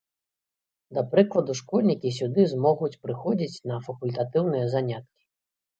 Да прыкладу, школьнікі сюды змогуць прыходзіць на факультатыўныя заняткі.